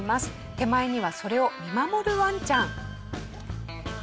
手前にはそれを見守るワンちゃん。